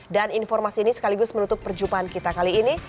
dan informasi ini sekaligus menutup perjumpaan kita kali ini